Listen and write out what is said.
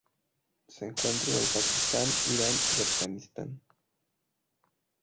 Se encuentra en el Pakistán, Irán y Afganistán.